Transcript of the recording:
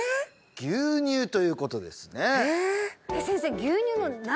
牛乳ということですね先生